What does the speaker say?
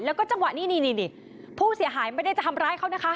แล้วก็จังหวะนี้นี่ผู้เสียหายไม่ได้จะทำร้ายเขานะคะ